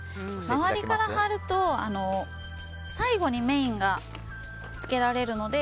周りから貼ると最後にメインがつけられるので